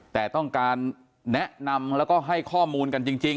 แต่ต้องการแนะนำแล้วก็ให้ข้อมูลกันจริง